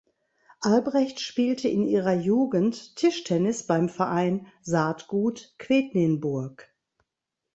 Albrecht spielte in ihrer Jugend Tischtennis beim Verein "Saatgut Quedlinburg".